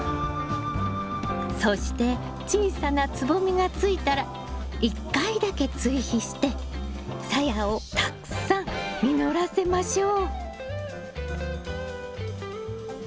そして小さな蕾がついたら１回だけ追肥してさやをたくさん実らせましょう。